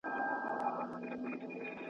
د خره مابت لا گوز دئ، لا لغته.